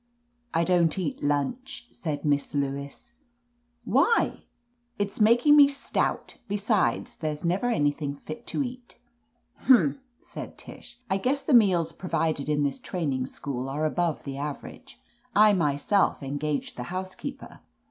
"I don^t eat lunch," said Miss Lewis. "Why?'^ 33 \ THE AMAZING ADVENTURES "It's making me stout Besides, there's never anjrthing fit to eat/* ' "Humph!" said Tish, *T guess the meals provided in this training school are above the average. I myself engaged the housekeeper.